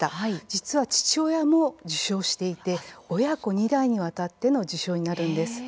実は父親も受賞していて親子２代にわたっての受賞になるんです。